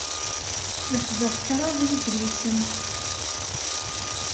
Refdeɣ kraḍ yedlisen.